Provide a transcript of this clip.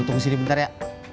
tunggu sini bentar ya